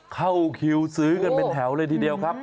เข้าคิวซื้อกันเป็นแถวเลยทีเดียวครับ